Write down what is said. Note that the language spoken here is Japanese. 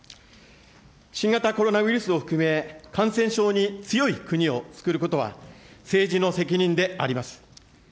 新型コロナウイルスを含め、感染症に強い国をつくることは、政治の責任であります。